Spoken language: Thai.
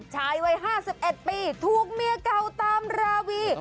ชายวัย๕๑ปีถูกเมียเก่าตามราวี